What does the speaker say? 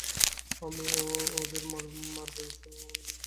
আমি ওদের মার বয়সী, আমার লজ্জা কিসের।